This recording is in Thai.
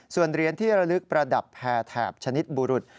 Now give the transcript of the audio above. ส่วนเหรียญที่อลึกประดับแถบชนิดบุรูฐ